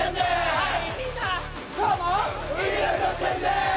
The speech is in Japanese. はい。